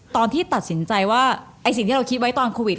ตอนที่ตัดสินใจว่าไอ้สิ่งที่เราคิดไว้ตอนโควิด